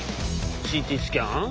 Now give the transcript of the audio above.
ＣＴスキャン？